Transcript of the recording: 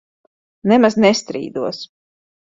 Nemaz nestrīdos.